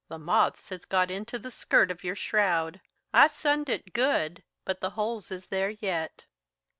the moths has got into the skirt of your shroud. I sunned it good, but the holes is there yet."